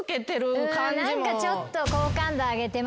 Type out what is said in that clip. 何かちょっと。